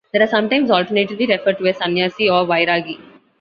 They are sometimes alternatively referred to as "sannyasi" or "vairagi".